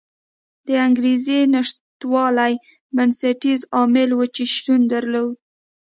د انګېزې نشتوالی بنسټیز عامل و چې شتون درلود.